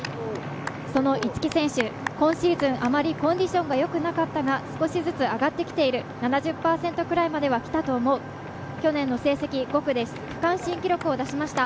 その逸木選手、今シーズンあまりコンディションはよくなかったが少しずつ上がってきている、７０％くらいまではきたと思う、去年の成績、５区で区間新記録を出しました。